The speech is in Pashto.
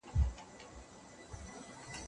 سیاست پوهنه د بریا تر ټولو نژدې لار ده.